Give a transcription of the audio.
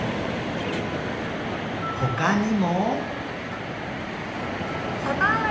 ほかにも。